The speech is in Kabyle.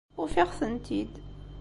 Ufiɣ-tent-id.